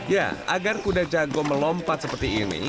ya agar kuda jago melompat seperti ini